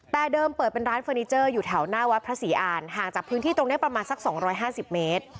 แต่เดิมเปิดเป็นร้านเฟอร์นิเจอร์อยู่แถวหน้าวัดพระศรีอ่านห่างจากพื้นที่ตรงนี้ประมาณสัก๒๕๐เมตร